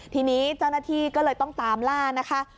ทีนี้เจ้าหน้าที่ก็เลยต้องตามล่านะคะ